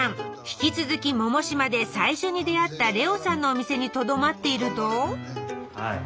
引き続き百島で最初に出会った伶旺さんのお店にとどまっているとはい。